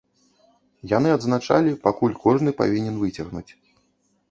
Яны адзначалі, пакуль кожны павінен выцягнуць.